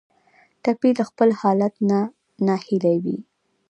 ټپي له خپل حالت نه ناهیلی وي.